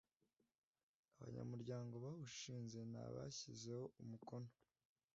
abanyamuryango bawushinze ni abashyizeho umukono